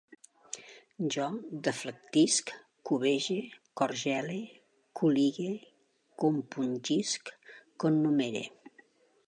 Jo deflectisc, cobege, corgele, col·ligue, compungisc, connumere